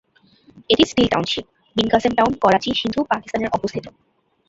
এটি steel township, Bin Qasim town, Karachi, Sindh, পাকিস্তানে অবস্থিত।